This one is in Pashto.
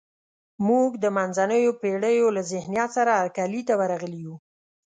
موږ د منځنیو پېړیو له ذهنیت سره هرکلي ته ورغلي یو.